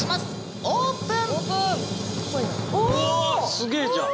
すげえじゃん！